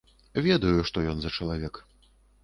Ведаю, што ён за чалавек.